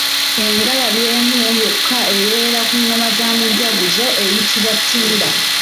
Engalabi emu yokka ebeera ku ngoma za mujaguzo eyitibwa Ttimba.